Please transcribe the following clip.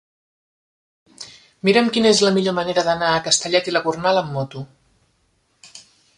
Mira'm quina és la millor manera d'anar a Castellet i la Gornal amb moto.